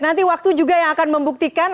nanti waktu juga yang akan membuktikan